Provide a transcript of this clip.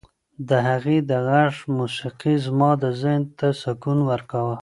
د هغې د غږ موسیقي زما ذهن ته سکون ورکاوه.